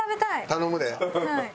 頼むで。